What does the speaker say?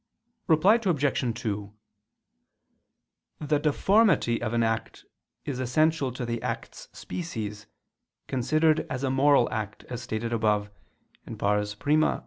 Reply Obj. 2: The deformity of an act is essential to the act's species, considered as a moral act, as stated above (I, Q.